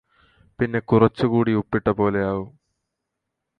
പിന്നെ കുറച്ച്ക്കൂടി ഉപ്പിട്ട പോലെയാവും